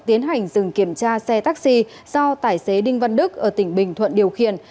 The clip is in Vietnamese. tiến hành dừng kiểm tra xe taxi do tài xế đinh văn đức ở tỉnh bình thuận điều khiển